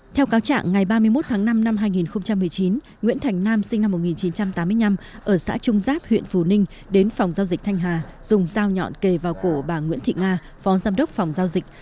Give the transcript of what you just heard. theo cáo trạng ngày ba mươi một tháng năm năm hai nghìn một mươi chín nguyễn thành nam sinh năm một nghìn chín trăm tám mươi năm ở xã trung giáp huyện phù ninh đến phòng giao dịch thanh hà dùng dao nhọn kề vào cổ bà nguyễn thị nga phó giám đốc phòng giao dịch